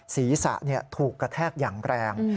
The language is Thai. ศีรษะถูกกระแทกอย่างแรง